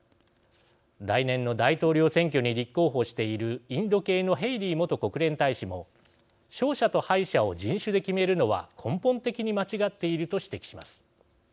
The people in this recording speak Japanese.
来年の大統領選挙に立候補しているインド系のヘイリー元国連大使も勝者と敗者を人種で決めるのは根本的に間違っていると指摘します。